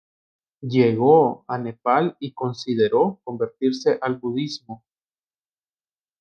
Llegó a Nepal y consideró convertirse al budismo.